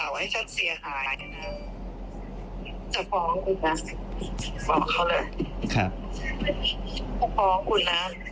แม่ไม่อยากโทรไปต่อว่า